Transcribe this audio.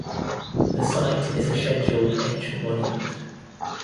The site is a Scheduled Ancient Monument.